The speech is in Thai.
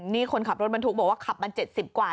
นี่คนขับรถบรรทุกบอกว่าขับมา๗๐กว่า